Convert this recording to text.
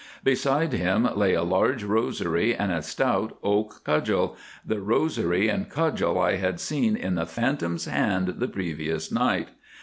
Beside him lay a large rosary and a stout oak cudgel—the rosary and cudgel I had seen in the phantom's hands the previous night.